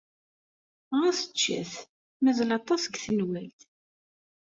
Ɣas ččet. Mazal aṭas deg tenwalt.